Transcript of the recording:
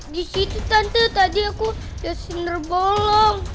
di situ tante tadi aku di sundel bolong